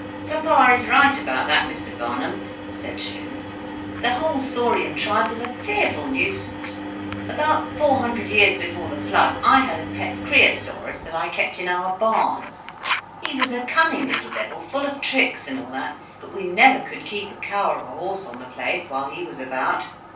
"Papa is right about that, Mr. Barnum," said Shem. "The whole Saurian tribe was a fearful nuisance. About four hundred years before the flood I had a pet Creosaurus that I kept in our barn. He was a cunning little devil full of tricks, and all that; but we never could keep a cow or a horse on the place while he was about.